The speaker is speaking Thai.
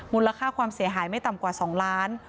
มูลค่าความเสียหายไม่ต่ำกว่า๒ล้าน